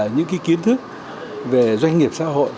những kiến thức về doanh nghiệp xã hội